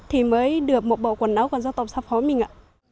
thì mới được một bộ quần áo quần do tổng xá phó mình ạ